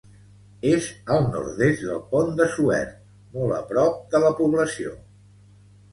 És al nord-est del Pont de Suert, molt a prop de la població.